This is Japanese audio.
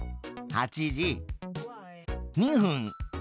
８時２分。